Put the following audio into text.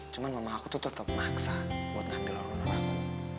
cuman mama aku tuh tetep maksa buat ambil honor honor aku